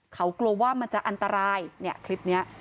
เขากลัวว่ามันจะอันตรายเนี่ยคลิปนี้